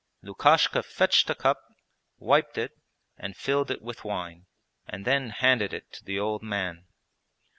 Lukashka fetched a cup, wiped it and filled it with wine, and then handed it to the old man.